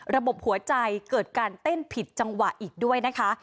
ระบบหัวใจเกิดการเต้นผิดจังหวะอีกด้วยนะคะ